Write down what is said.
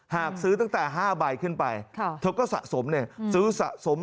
หากซื้อตั้งแต่๕ใบขึ้นไปเธอก็สะสมเนี่ย